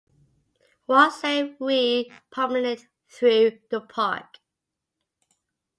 What say we promenade through the park?